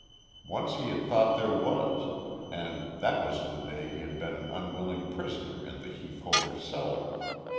Once he had thought there was, and that was the day he had been an unwilling prisoner in the Heath Hover cellar.